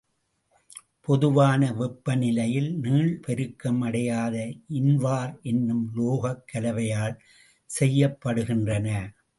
பொதுவான வெப்பநிலையில் நீள் பெருக்கம் அடையாத இன்வார் என்னும் உலோகக் கலவையால் செய்யப்படுகின்றன.